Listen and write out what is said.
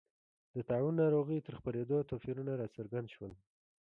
د طاعون ناروغۍ تر خپرېدو توپیرونه راڅرګند شول.